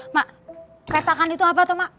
mak keretakan itu apa tuh mak